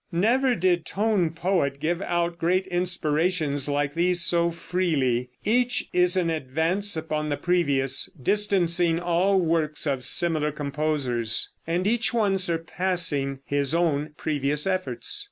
Never did tone poet give out great inspirations like these so freely. Each is an advance upon the previous, distancing all works of similar composers, and each one surpassing his own previous efforts.